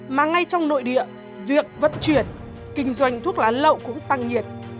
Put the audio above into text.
mà ngay trong nội địa việc vận chuyển kinh doanh thuốc lá lậu cũng tăng nhiệt